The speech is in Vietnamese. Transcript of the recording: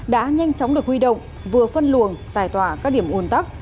đã nhanh chóng được huy động vừa phân luồng giải tỏa các điểm ồn tắc